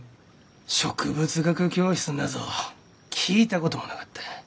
植物学教室なぞ聞いたこともなかった。